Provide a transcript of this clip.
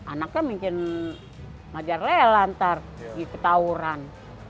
anaknya mungkin majar lelantar di tawuran